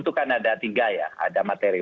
itu kan ada tiga ya ada materi